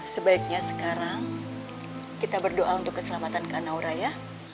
sebaiknya sekarang kita berdoa untuk keselamatan kak naura ya